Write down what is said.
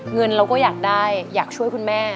เงินเราก็อยากได้อยากช่วยคุณแม่